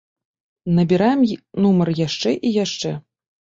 Набіраем нумар яшчэ і яшчэ.